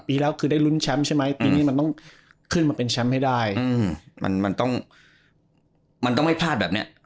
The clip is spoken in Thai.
ปีแล้วคือได้ลุ้นแชมป์ใช่ไหมปีนี้มันต้องขึ้นมาเป็นแชมป์ให้ได้มันต้องมันต้องไม่พลาดแบบนี้